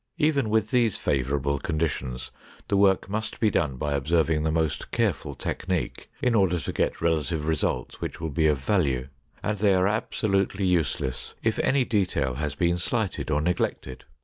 Even with these favorable conditions, the work must be done by observing the most careful technique in order to get relative results, which will be of value, and they are absolutely useless if any detail has been slighted or neglected.